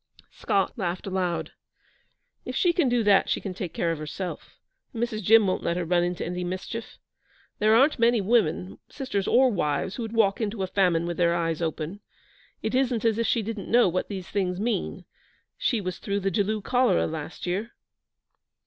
Scott laughed aloud. 'If she can do that she can take care of herself, and Mrs. Jim won't let her run into any mischief. There aren't many women, sisters or wives, who would walk into a famine with their eyes open. It isn't as if she didn't know what these things mean. She was through the Jaloo cholera last year.'